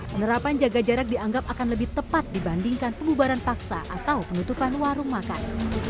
penerapan jaga jarak dianggap akan lebih tepat dibandingkan pembubaran paksa atau penutupan warung makan